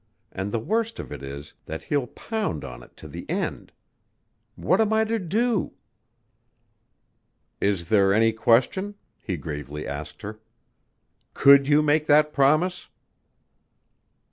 and the worst of it is that he'll pound on it to the end. What am I to do?" "Is there any question?" he gravely asked her. "Could you make that promise?"